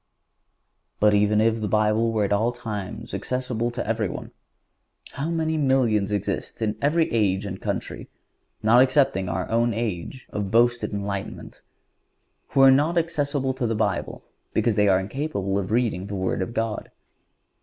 But even if the Bible were at all times accessible to everyone, how many millions exist in every age and country, not excepting our own age of boasted enlightenment, who are not accessible to the Bible because they are incapable of reading the Word of God!